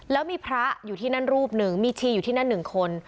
แล้วมีพระอยู่ที่นั่นรูปหนึ่งมีชีอยู่ที่นั่นหนึ่งคน